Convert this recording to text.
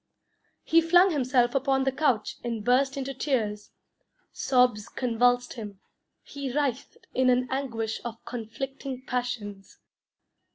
He flung himself upon the couch, and burst into tears. Sobs convulsed him; he writhed in an anguish of conflicting passions.